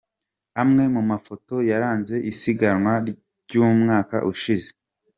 Amwe mu mafoto yaranze isiganwa ry’umwaka ushize.